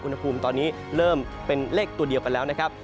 อุณหภูมิตอนนี้เริ่มเป็นเลขตัวเดียวกันแล้วนะครับ